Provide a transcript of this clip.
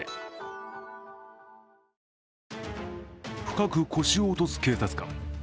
深く腰を落とす警察官。